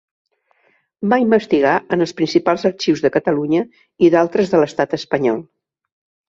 Va investigar en els principals arxius de Catalunya i d'altres de l'Estat espanyol.